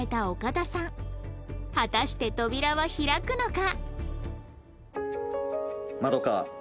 果たして扉は開くのか？